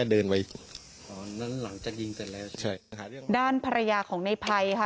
เดินไปอ๋อนั้นหลังจากยิงเสร็จแล้วใช่ด้านภรรยาของในภัยค่ะ